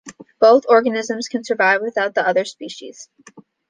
Both organisms can survive without the other species.